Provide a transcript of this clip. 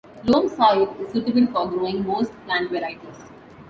Loam soil is suitable for growing most plant varieties.